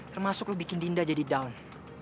termasuk lo bikin dinda jadi daun